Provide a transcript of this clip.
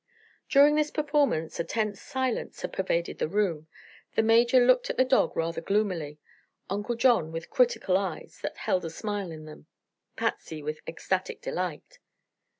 During this performance a tense silence had pervaded the room. The Major looked at the dog rather gloomily; Uncle John with critical eyes that held a smile in them; Patsy with ecstatic delight.